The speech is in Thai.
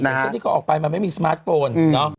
เช่นที่เขาออกไปมันไม่มีสมาร์ทโฟนเนาะ